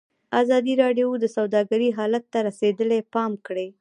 ازادي راډیو د سوداګري حالت ته رسېدلي پام کړی.